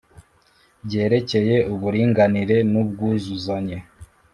Byerekeye uburinganire n ubwuzuzanye